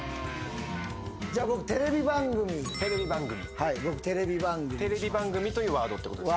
じゃあ僕「テレビ番組」僕「テレビ番組」「テレビ番組」というワードってことですね？